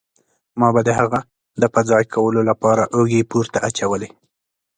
ما به د هغه د په ځای کولو له پاره اوږې پورته اچولې.